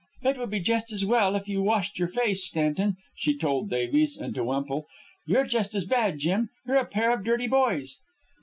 "It would be just as well if you washed your face, Stanton," she told Davies; and, to Wemple: "You're just as bad, Jim. You are a pair of dirty boys."